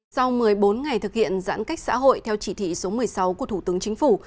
sau một mươi bốn ngày thực hiện giãn cách xã hội theo chỉ thị số một mươi sáu của thủ tướng chính phủ